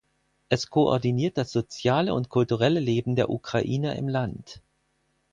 Es koordiniert das soziale und kulturelle Leben der Ukrainer im Land.